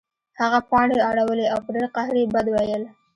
هغه پاڼې اړولې او په ډیر قهر یې بد ویل